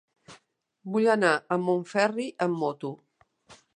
Vull anar a Montferri amb moto.